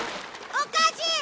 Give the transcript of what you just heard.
おかしい！